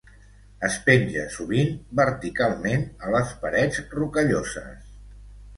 Es penja, sovint, verticalment a les parets rocalloses.